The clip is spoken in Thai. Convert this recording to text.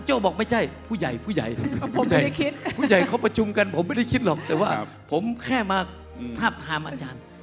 บอกไม่ใช่ผู้ใหญ่ผู้ใหญ่เขาประชุมกันผมไม่ได้คิดหรอกแต่ว่าผมแค่มาทาบทามอาจารย์